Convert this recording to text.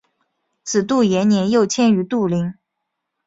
子杜延年又迁于杜陵。